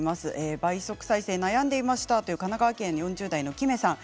倍速再生悩んでいましたという神奈川県の方です。